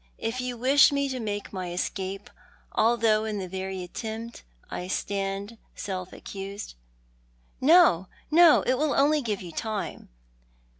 If you ^visb me to make my escape — although iu the very attempt I stand self accused "" No, no, it will only give you time.